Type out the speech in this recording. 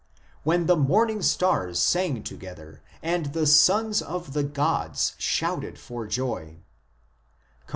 When the morning stars sang together, and the sons of the gods shouted for joy " (cp.